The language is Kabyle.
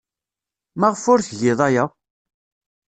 Maɣef ur tgid aya?